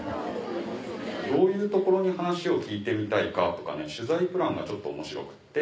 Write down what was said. どういうところに話を聞いてみたいかとか取材プランがちょっと面白くって。